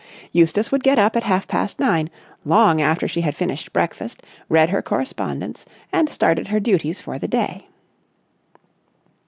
Eustace would get up at half past nine, long after she had finished breakfast, read her correspondence, and started her duties for the day.